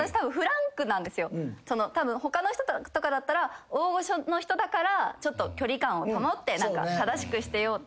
たぶん他の人とかだったら大御所の人だからちょっと距離感を保って正しくしてよう。